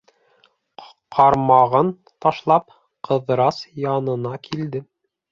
Ҡармағын ташлап, Ҡыҙырас янына килде.